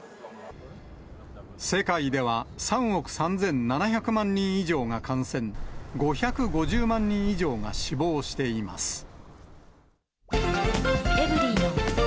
世界では３億３７００万人以上が感染、５５０万人以上が死亡しています。